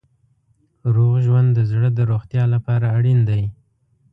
روغ ژوند د زړه د روغتیا لپاره اړین دی.